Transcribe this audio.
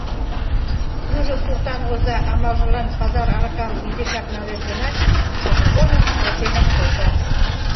Южо суртан оза амалжылан пазар аракам изишак налеш гынат, самогоным шолтенак шолта.